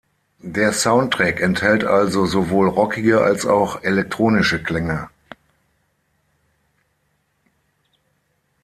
Der Soundtrack enthält also sowohl rockige als auch elektronische Klänge.